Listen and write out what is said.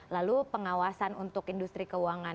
lalu pengawasan untuk industri keuangan